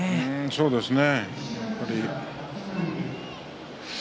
そうですね。